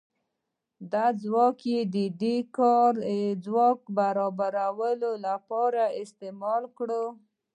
دا ځواک یې د کاري ځواک برابرولو لپاره استعمال کړ.